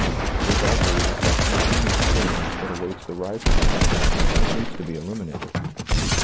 This also is a section of human experience that awaits the rising of the curtain and needs to be illuminated.